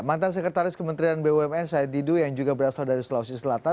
mantan sekretaris kementerian bumn said didu yang juga berasal dari sulawesi selatan